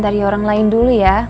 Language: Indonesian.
dari orang lain dulu ya